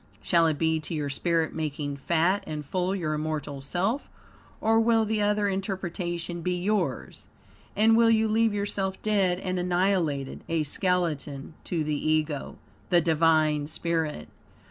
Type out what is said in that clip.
Shall it be to your spirit making fat and full your immortal self, or will the other interpretation be yours? And will you leave yourself dead and annihilated, a skeleton, to the Ego, the Divine spirit?